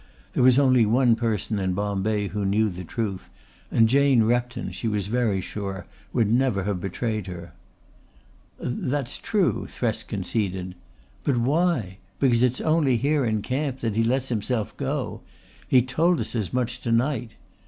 There was only one person in Bombay who knew the truth and Jane Repton, she was very sure, would never have betrayed her. "That's true," Thresk conceded. "But why? Because it's only here in camp that he lets himself go. He told us as much to night.